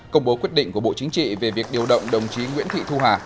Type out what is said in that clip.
công bố quyết định của bộ chính trị về việc điều động đồng chí nguyễn thị thu hà